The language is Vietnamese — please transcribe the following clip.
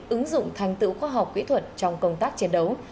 ứng dụng thành tựu khoa học kỹ thuật trong công tác chiến đấu